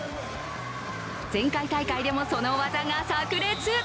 前回大会でも、その技がさく裂。